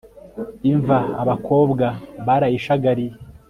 imva abakobwa barayishagariye